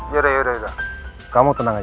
yaudah kamu tenang aja